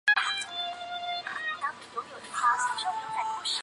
当中如善待动物组织便曾指它们试图以此研究基础去治疗羊的同性行为。